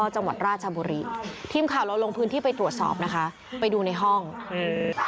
จังหวัดราชบุรีทีมข่าวเราลงพื้นที่ไปตรวจสอบนะคะไปดูในห้องอืม